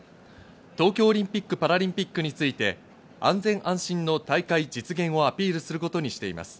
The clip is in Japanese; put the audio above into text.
東京オリンピック・パラリンピックについて安全安心の大会実現をアピールすることにしています。